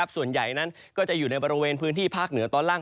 ส่วนใหญ่นั้นก็จะอยู่ในบริเวณพื้นที่ภาคเหนือตอนล่าง